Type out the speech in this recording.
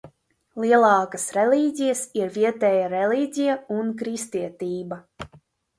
Lielākās reliģijas ir vietējā reliģija un kristietība.